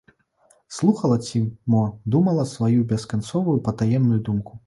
Слухала ці мо думала сваю бесканцовую патаемную думку.